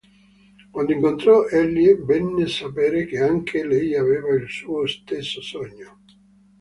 Quando incontrò Ellie, venne a sapere che anche lei aveva il suo stesso sogno.